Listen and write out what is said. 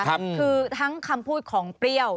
คือทั้งคำพูดของเปรี้ยว